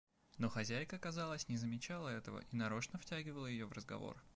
Но хозяйка, казалось, не замечала этого и нарочно втягивала ее в разговор.